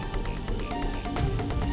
haris sama tanti